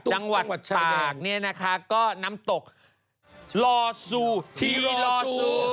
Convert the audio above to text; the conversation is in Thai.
จังหวัดตากเนี่ยนะคะก็น้ำตกลอซูทีวีลอซู